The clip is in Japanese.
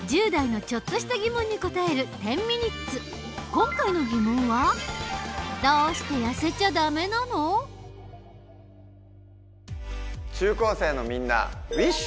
今回の疑問は中高生のみんなウィッシュ！